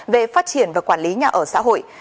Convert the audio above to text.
về phát triển và quản lý nhà ở xã hội